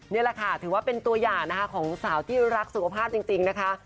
นี่แหละค่ะถือว่าเป็นตัวอย่างนะคะของสาวที่รักสุขภาพจริงนะคะ